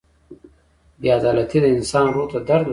• بې عدالتي د انسان روح ته درد ورکوي.